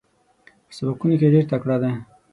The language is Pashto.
په سبقونو کې ډېره تکړه ده.